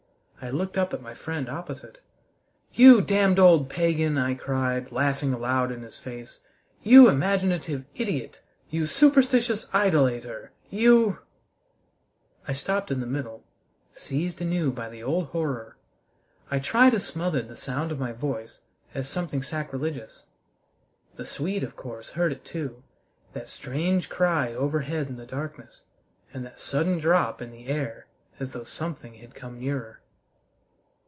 I looked up at my friend opposite. "You damned old pagan!" I cried, laughing aloud in his face. "You imaginative idiot! You superstitious idolator! You " I stopped in the middle, seized anew by the old horror. I tried to smother the sound of my voice as something sacrilegious. The Swede, of course, heard it too that strange cry overhead in the darkness and that sudden drop in the air as though something had come nearer.